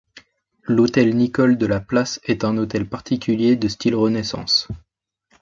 L'hôtel Nicolle de La Place est un hôtel particulier de style Renaissance.